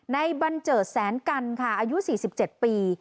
บันเจิดแสนกันค่ะอายุ๔๗ปี